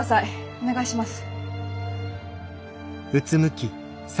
お願いします。